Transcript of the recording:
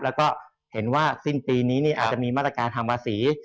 แล้วก็เห็นว่าสิ้นปีนี้อาจจะมีมาตรการทำภาษี